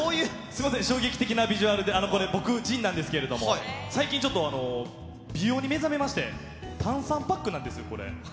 すみません、衝撃的なビジュアルで、これ、僕、ジンなんですけれども、最近ちょっと、美容に目覚めまして、炭酸パックなんです、これ。